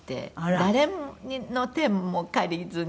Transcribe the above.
誰の手も借りずに。